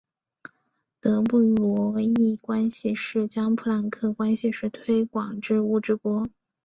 德布罗意关系式将普朗克关系式推广至物质波。